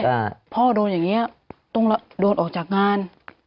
บริษัทเพาะโดนอย่างนี้ต้องโดนออกจากงาน